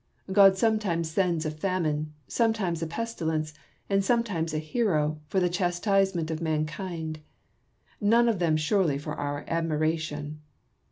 God sometimes sends a famine, sometimes a pestilence, and sometimes a hci o, for the chastisement of mankind ; none of them surely for our admiration.